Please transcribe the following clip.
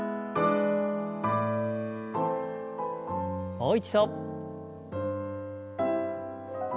もう一度。